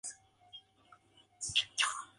See also Wigner semicircle distribution.